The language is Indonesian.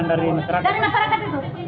dari masyarakat itu